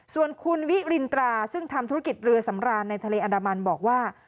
ส่วนคุณวิรินตราซึ่งทำธุรกิจเรือสำราญในทะเลอันดามันบอกว่า